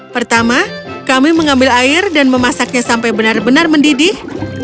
pertama kami mengambil air dan memasaknya sampai benar benar mendidih